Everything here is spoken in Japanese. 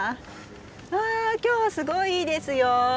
わあ今日はすごいいいですよ。